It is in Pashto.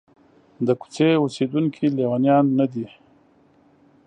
د کوڅې اوسېدونکي لېونیان نه دي.